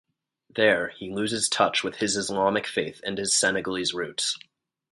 There, he loses touch with his Islamic faith and his Senegalese roots.